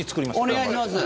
お願いします。